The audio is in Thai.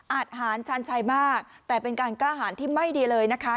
ทหารชาญชัยมากแต่เป็นการกล้าหารที่ไม่ดีเลยนะคะ